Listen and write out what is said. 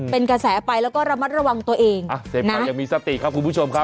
เป็นกระแสไปแล้วก็ระมัดระวังตัวเองอ่ะเสพข่าวยังมีสติครับคุณผู้ชมครับ